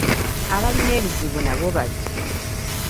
Abalina ebizibu nabo bajje.